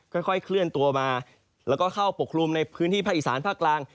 ค่อยเคลื่อนตัวมาแล้วก็เข้าปกคลุมในพื้นที่ภาคอีสานภาคกลาง